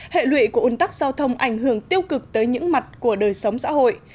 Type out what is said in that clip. hệ lụy của ủn tắc giao thông ảnh hưởng tiêu cực tới những mặt của đời sống xã hội